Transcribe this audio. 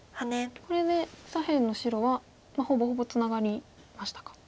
これで左辺の白はほぼほぼツナがりましたか。